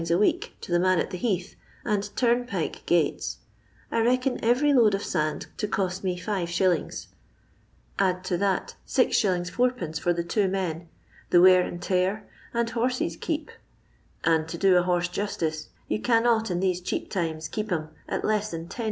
a week, to the man at the heathy and tnmpike gates, I reckon every load of sand to cost me 5f. Add to that 6i. 4(1. for the two man, the wear and tear, and horse's keep Qttidi to do a horse justice, you cannot in these map timaa keep him at less than 10s.